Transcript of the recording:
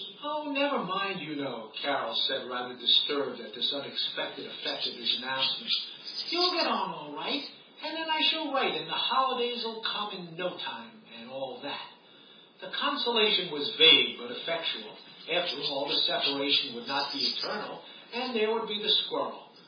' Oh ! never mind, you know,' Carol said, rather disturbed at this unexpected effect of his announcement ;* you'll get on all right ; and then I shall write, and the holidays '11 come in no time, and all that' The consolation was vague, but effectual. After all, the separation would not be eternal, and there would be the squirrel.